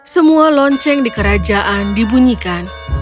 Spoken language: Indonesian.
semua lonceng di kerajaan dibunyikan